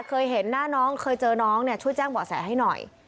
เคยเห็นหน้าน้องเคยเจอน้องเนี่ยช่วยแจ้งเบาะแสให้หน่อย